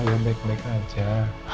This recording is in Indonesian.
saya baik baik aja